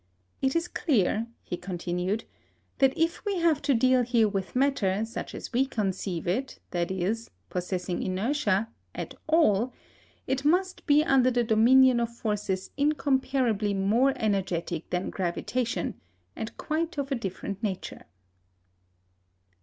"It is clear," he continued, "that if we have to deal here with matter, such as we conceive it viz., possessing inertia at all, it must be under the dominion of forces incomparably more energetic than gravitation, and quite of a different nature."